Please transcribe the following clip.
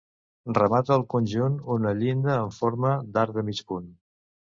Remata el conjunt una llinda en forma d'arc de mig punt.